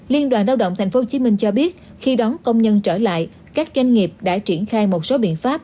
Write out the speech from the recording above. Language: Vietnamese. liên đoàn lao động tp hcm cho biết khi đón công nhân trở lại các doanh nghiệp đã triển khai một số biện pháp